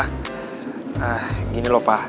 nah gini loh pak